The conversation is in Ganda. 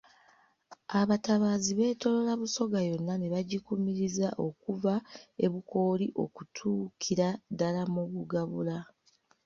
Abatabaazi beetooloola Busoga yonna ne bagikumiriza okuva e Bukooli okutuukira ddala mu Bugabula.